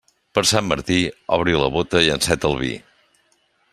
Per Sant Martí, obri la bóta i enceta el vi.